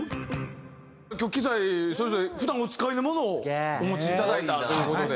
今日機材それぞれ普段お使いのものをお持ちいただいたという事で。